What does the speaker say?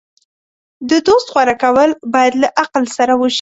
د دوست غوره کول باید له عقل سره وشي.